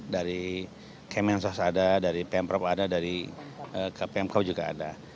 dari kemensos ada dari pemprov ada dari kpmk juga ada